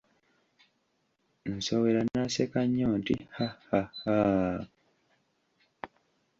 Nsowera n'aseka nnyo nti, ha ha haaaaa!